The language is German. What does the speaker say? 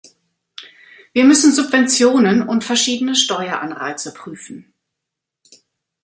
Wir müssen Subventionen und verschiedene Steueranreize prüfen.